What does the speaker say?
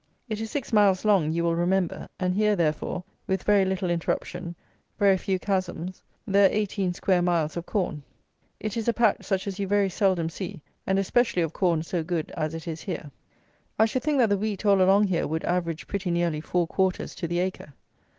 It is six miles long, you will remember; and here, therefore, with very little interruption, very few chasms, there are eighteen square miles of corn. It is a patch such as you very seldom see, and especially of corn so good as it is here. I should think that the wheat all along here would average pretty nearly four quarters to the acre.